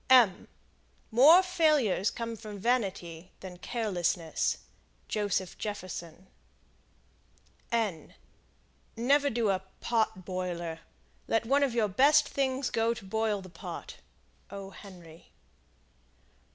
More failures come from vanity than carelessness. Joseph Jefferson. Never do a "pot boiler." Let one of your best things go to boil the pot. "O. Henry."